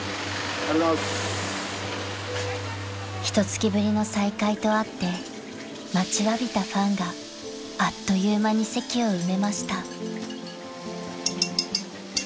［ひと月ぶりの再開とあって待ちわびたファンがあっという間に席を埋めました］